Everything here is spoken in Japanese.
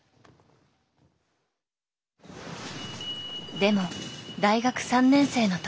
でも大学３年生の時。